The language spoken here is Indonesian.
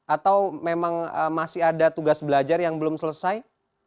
atau memang masih ada tugas belajar yang belum selesai